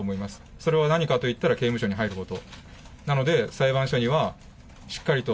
それは何かと言ったら、刑務所に入ること。